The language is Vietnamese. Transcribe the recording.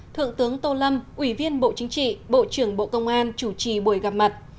thượng tướng tô lâm ủy viên bộ chính trị bộ trưởng bộ công an chủ trì buổi gặp mặt